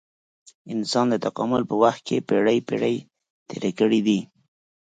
انسان د تکامل په وخت کې پېړۍ پېړۍ تېرې کړې دي.